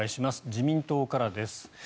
自民党からです。